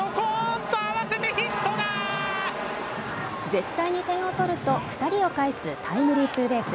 絶対に点を取ると２人を返すタイムリーツーベース。